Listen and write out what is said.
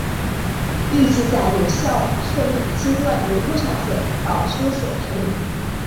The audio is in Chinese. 预计在有效寿命阶段有多少次保修索赔？